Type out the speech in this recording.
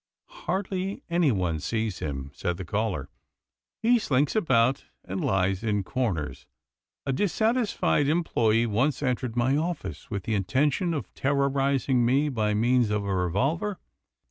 " Hardly anyone sees him," said the caller. " He slinks about, and lies in corners. A dissatisfied em ployee once entered my office with the intention of terrorizing me by means of a revolver.